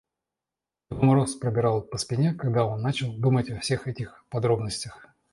Его мороз пробирал по спине, когда он начинал думать о всех этих подробностях.